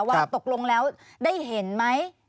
ว่าตกลงแล้วได้เห็นไหม